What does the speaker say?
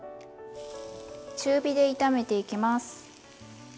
中火で炒めていきます。